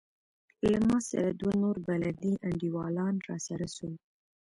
له ما سره دوه نور بلدي انډيوالان راسره سول.